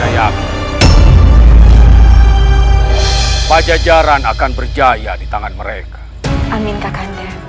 itu saya yang bergurau